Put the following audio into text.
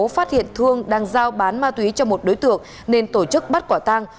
phát hiện thương đang giao bán ma túy cho một đối tượng nên tổ chức bắt quả tang